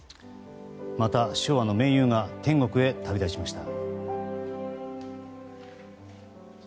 また昭和の名優が天国へ旅立ちました。